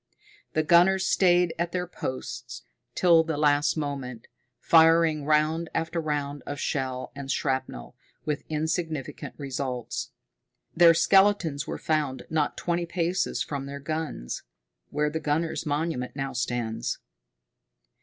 The gunners stayed at their posts till the last moment, firing round after round of shell and shrapnel, with insignificant results. Their skeletons were found not twenty paces from their guns where the Gunners' Monument now stands.